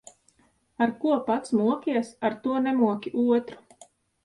Ar ko pats mokies, ar to nemoki otru.